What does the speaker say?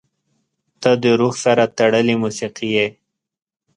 • ته د روح سره تړلې موسیقي یې.